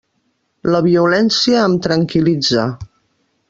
La violència em tranquil·litza.